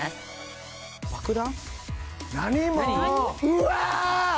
うわ！